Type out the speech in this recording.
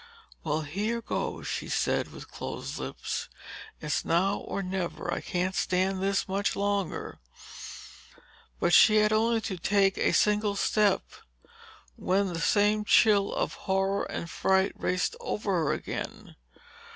"Well, here goes," she said with closed lips. "It's now or never. I can't stand this much longer!" But she had only taken a single step when the same chill of horror and fright raced over her again.